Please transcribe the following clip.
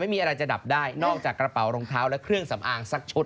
ไม่มีอะไรจะดับได้นอกจากกระเป๋ารองเท้าและเครื่องสำอางสักชุด